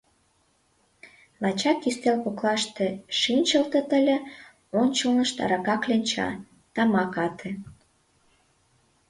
Лачак ӱстел коклаште шинчылтыт ыле, ончылнышт арака кленча, тамак ате.